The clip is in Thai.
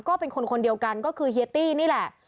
ก็เป็นคนคนเดียวกันก็คือเฮียตี้นี่แหละ